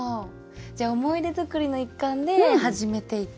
じゃあ思い出作りの一環で始めていって。